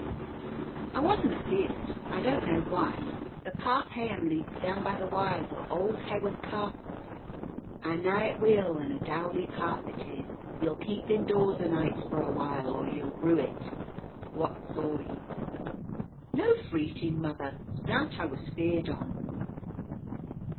"I wasna afeared, I don't know why; the path heyam leads down by the wa'as o' auld Hawarth Castle." "I knaa it weel, and a dowly path it is; ye'll keep indoors o' nights for a while, or ye'll rue it. What saw ye?" "No freetin, mother; nowt I was feared on."